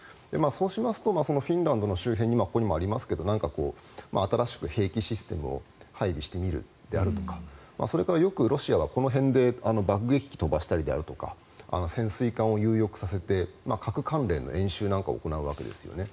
そうしますとフィンランドの周辺にここにもありますけど新しく兵器システムを配備してみるであるとかそれからよくロシアはこの辺で爆撃機を飛ばしたりとか潜水艦を遊よくさせて核関連の演習なんかを行うわけですね。